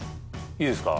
いいですか？